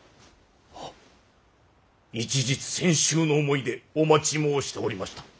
一日千秋の思いでお待ち申しておりました。